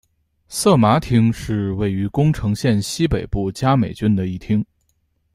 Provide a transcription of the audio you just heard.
色麻町是位于宫城县西北部加美郡的一町。